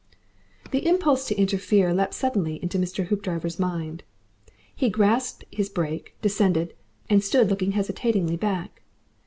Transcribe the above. The impulse to interfere leapt suddenly into Mr. Hoopdriver's mind. He grasped his brake, descended, and stood looking hesitatingly back.